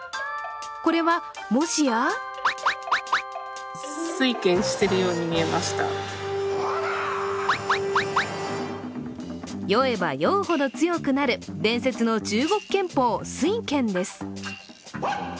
これは、もしや酔えば酔うほど強くなる、伝説の中国拳法、酔拳です。